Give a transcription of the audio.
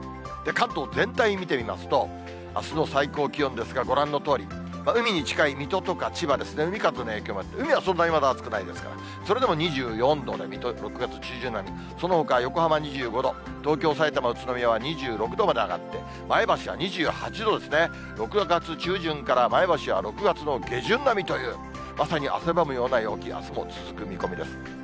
関東全体見てみますと、あすの最高気温ですが、ご覧のとおり、海に近い水戸とか千葉ですね、海風の影響もあって、海はそんなにまだ暑くないですから、それでも２４度で、水戸６月中旬並み、そのほか横浜２５度、東京、さいたま、宇都宮は２６度まで上がって、前橋は２８度ですね、６月中旬から前橋は６月の下旬並みという、まさに汗ばむような陽気あすも続く見込みです。